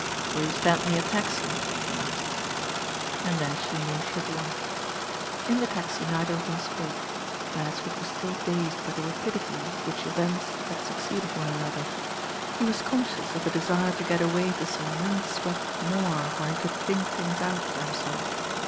"Will you stand me a taxi?" he asked. And then she knew she had won. In the taxi neither of them spoke. Beresford was still dazed by the rapidity with which events had LADY DREWITFS ALARM f81 succeeded one another. He was conscious of a desire to get away to some wind swept moor where he could think things out for himself.